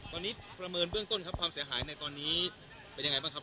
ตอนนี้ประเมินเบื้องต้นครับความเสียหายในตอนนี้เป็นยังไงบ้างครับ